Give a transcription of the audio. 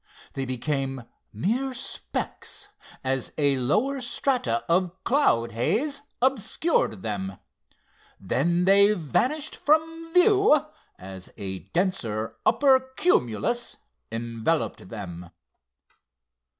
They became mere specks as a lower strata of cloud haze obscured them. Then they vanished from view as a denser upper cumulus enveloped them.